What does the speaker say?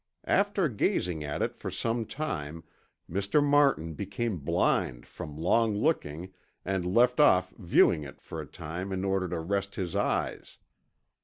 After gazing at it for some time Mr. Martin became blind from long looking and left off viewing it for a time in order to rest his eyes.